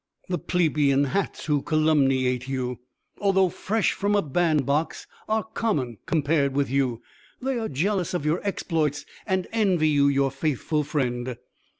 The plebeian hats who calumniate you, although fresh from a band box, are common compared with you; they are jealous of your exploits and envy you your faithful friend."